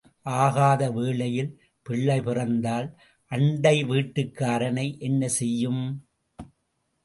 ஆகாத வேளையில் பிள்ளை பிறந்தால் அண்டை வீட்டுக்காரனை என்ன செய்யும்?